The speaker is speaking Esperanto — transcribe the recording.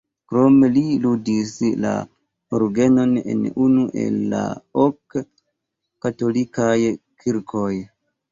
Krome li ludis la orgenon en unu el la ok katolikaj kirkoj.